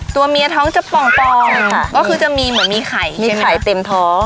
ตัวเมียท้องจะป่องก็คือจะมีเหมือนมีไข่มีไข่เต็มท้อง